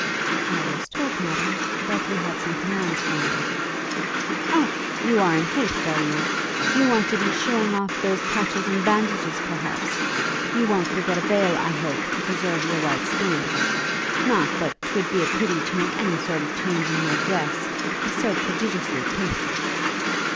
'I was told, Madam, that you had some commands for me.' 'O, you are in haste, are you? you want to be shewing off those patches and bandages, perhaps? You won't forget a veil, I hope, to preserve your white skin? Not but 'twould be pity to make any sort of change in your dress, 'tis so prodigiously tasty!'